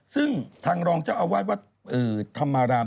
ซึ่งทางรองเจ้าอาวาสวัดธรรมาราม